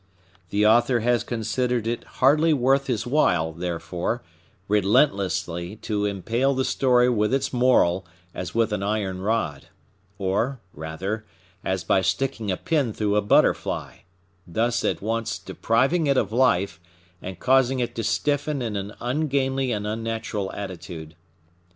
The author has considered it hardly worth his while, therefore, relentlessly to impale the story with its moral as with an iron rod,—or, rather, as by sticking a pin through a butterfly,—thus at once depriving it of life, and causing it to stiffen in an ungainly and unnatural attitude.